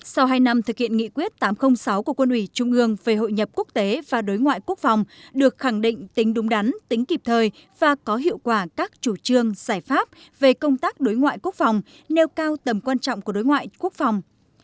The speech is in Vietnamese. sau hai năm thực hiện nghị quyết tám trăm linh sáu của quân ủy trung ương về hội nhập quốc tế và đối ngoại quốc phòng được khẳng định tính đúng đắn tính kịp thời và có hiệu quả các chủ trương giải pháp về công tác đối ngoại quốc phòng nêu cao tầm quan trọng của đối ngoại quốc phòng